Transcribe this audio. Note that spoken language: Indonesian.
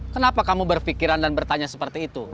kenapa kamu berpikiran dan bertanya seperti itu